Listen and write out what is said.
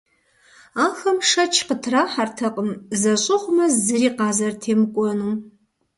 Ахэм шэч къытрахьэртэкъым зэщӏыгъумэ, зыри къазэрытемыкӏуэнум.